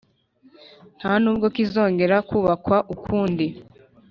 nta n’ubwo kizongera kubakwa ukundi.